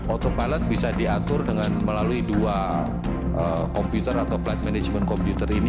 autopilot bisa diatur dengan melalui dua komputer atau flight management komputer ini